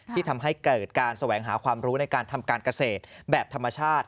ที่ทำให้เกิดการแสวงหาความรู้ในการทำการเกษตรแบบธรรมชาติ